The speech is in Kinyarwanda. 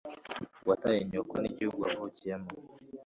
wayate nyoko n'igihugu wavukiyemo